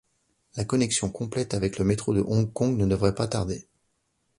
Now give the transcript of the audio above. La connexion complète avec le métro de Hong Kong ne devrait pas tarder.